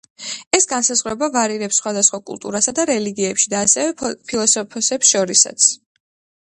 ეს განსაზღვრება ვარირებს სხვადასხვა კულტურასა და რელიგიებში, და ასევე ფილოსოფოსებს შორისაც.